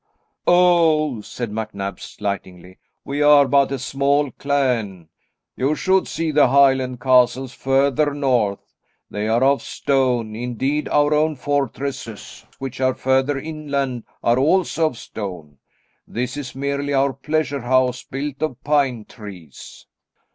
"Oh," said MacNab slightingly, "we are but a small clan; you should see the Highland castles further north; they are of stone; indeed our own fortresses, which are further inland, are also of stone. This is merely our pleasure house built of pine trees."